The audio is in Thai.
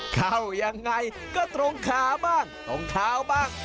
เข้ายังไงก็ตรงขาบ้างตรงเท้าบ้าง